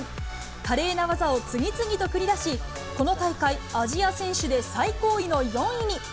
華麗な技を次々と繰り出し、この大会、アジア選手で最高位の４位に。